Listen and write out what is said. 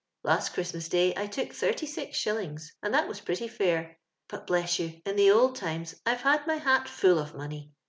Last Christmas day I took 36«., and that was pretty fair; but, bless you, in the old times I've had my hat ftill of money.